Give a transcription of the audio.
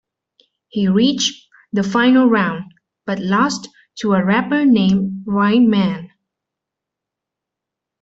He reached the final round, but lost to a rapper named Reign Man.